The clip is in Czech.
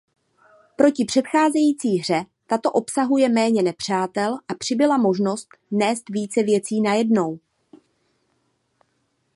Proti předcházející hře tato obsahuje méně nepřátel a přibyla možnost nést více věcí najednou.